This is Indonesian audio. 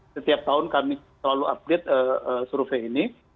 setiap tahun kami selalu update survei ini